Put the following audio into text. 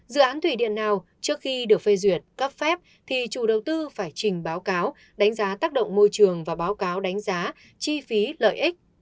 dự án thủy điện nào trước khi được phê duyệt cấp phép thì chủ đầu tư phải trình báo cáo đánh giá tác động môi trường và báo cáo đánh giá chi phí lợi ích